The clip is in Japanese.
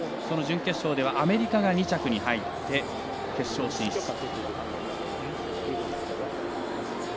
その準決勝ではアメリカが２着に入って決勝進出。